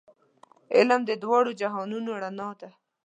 علم د دواړو جهانونو رڼا ده.